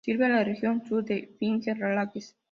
Sirve a la región sur de Finger Lakes.